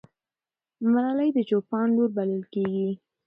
ملالۍ د چوپان لور بلل کېږي.